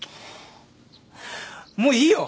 もういいよ。